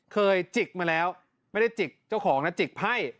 จิกมาแล้วไม่ได้จิกเจ้าของนะจิกไพ่